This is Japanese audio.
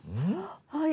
はい。